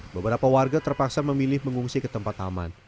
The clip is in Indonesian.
beberapa warga terpaksa memilih mengungsi ke tempat aman